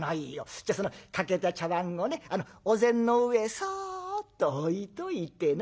じゃあその欠けた茶碗をねお膳の上へそっと置いといてな。